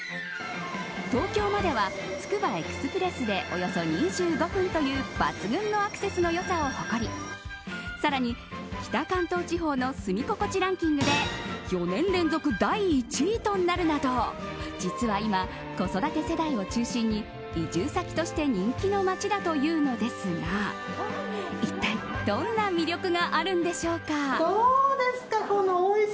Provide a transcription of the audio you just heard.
東京まではつくばエクスプレスでおよそ２５分という抜群のアクセスの良さを誇り更に、北関東地方の住みここちランキングで４年連続第１位となるなど実は今、子育て世代を中心に移住先として人気の街だというのですが一体どんな魅力があるんでしょうか。